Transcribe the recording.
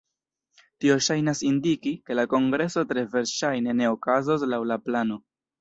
Tio ŝajnas indiki, ke la kongreso tre verŝajne ne okazos laŭ la plano.